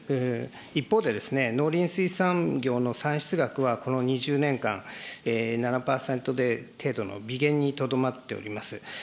一方で、農林水産業の産出額は、この２０年間、７％程度の微減にとどまっております。